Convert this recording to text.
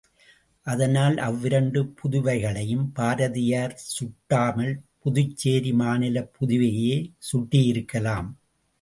அதனால் அவ்விரண்டு புதுவைகளையும் பாரதியார் சுட்டாமல் புதுச்சேரி மாநிலப் புதுவையையே சுட்டியிருக்கலாம்.